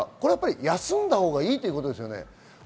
休んだほうがいいということですよね。